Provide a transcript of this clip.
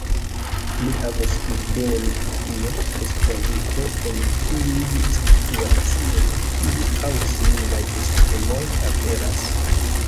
Ni havos ideon pri tio, esplorinte en kiuj situacioj tiu aŭ similaj esprimoj aperas.